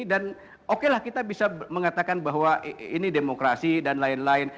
oke lah kita bisa mengatakan bahwa ini demokrasi dan lain lain